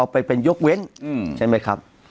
ไปเป็นยกเว้นใช่ไหมครับ